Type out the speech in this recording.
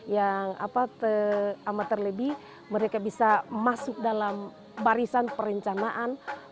yang amat terlebih mereka bisa masuk dalam barisan perencanaan